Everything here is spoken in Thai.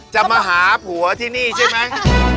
จะมาหาผัวที่นี่ใช่ไหม